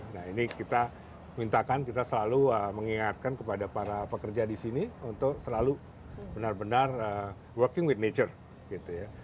nah ini kita mintakan kita selalu mengingatkan kepada para pekerja di sini untuk selalu benar benar working wit nature gitu ya